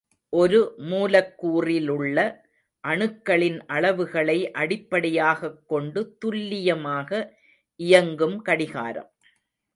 ஒரு மூலக்கூறிலுள்ள அணுக்களின் அளவுகளை அடிப்படையாகக் கொண்டு துல்லியமாக இயங்கும் கடிகாரம்.